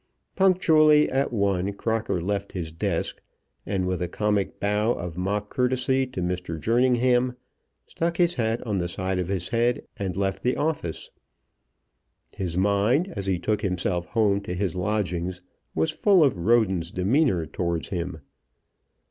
Punctually at one Crocker left his desk, and with a comic bow of mock courtesy to Mr. Jerningham, stuck his hat on the side of his head, and left the office. His mind, as he took himself home to his lodgings, was full of Roden's demeanour towards him.